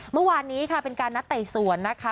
เมื่อวานนี้ค่ะเป็นการนัดไต่สวนนะคะ